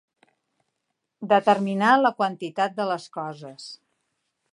Determinar la quantitat de les coses.